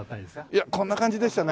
いやこんな感じでしたね。